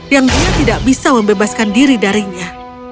yang dia tidak bisa membebaskan diri darinya